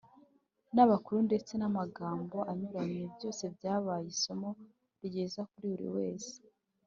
n’abakuru, ndetse n’amagambo anyuranye. byose byabaye isomo ryiza kuri buri wese.